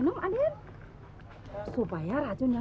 entah saya stopping